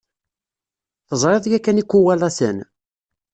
Teẓriḍ yakan ikuwalaten?